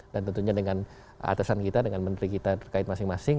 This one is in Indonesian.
dan tentunya dengan atasan kita dengan menteri kita terkait masing masing